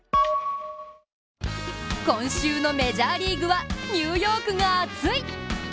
今週のメジャーリーグはニューヨークが熱い。